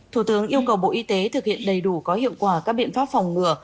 thủ tướng yêu cầu bộ y tế thực hiện đầy đủ có hiệu quả các biện pháp phòng ngừa